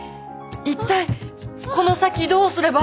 一体この先どうすれば。